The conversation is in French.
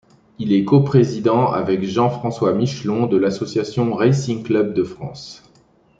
Il est coprésident avec Jean François Michelon, de l'association Racing Club de France.